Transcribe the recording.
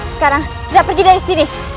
sekarang sudah pergi dari sini